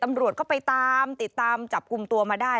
ตำรวจก็ไปตามติดตามจับกลุ่มตัวมาได้